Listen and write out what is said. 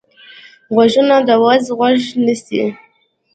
غوږونه د وعظ غوږ نیسي